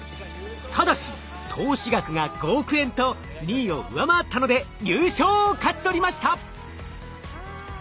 ただし投資額が５億円と２位を上回ったので優勝を勝ち取りました！